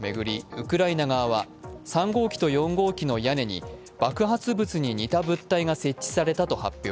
ウクライナ側は３号機と４号機の屋根に爆発物に似た物体が設置されたと発表。